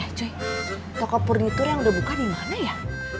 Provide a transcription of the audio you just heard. eh cuy toko purnitur yang udah buka dimana ya